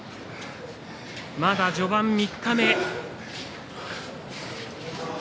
まだ序盤三日目。